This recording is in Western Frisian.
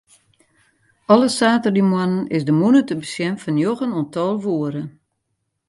Alle saterdeitemoarnen is de mûne te besjen fan njoggen oant tolve oere.